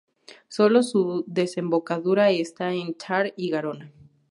Sólo su desembocadura está en Tarn y Garona.